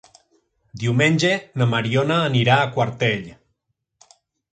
Diumenge na Mariona irà a Quartell.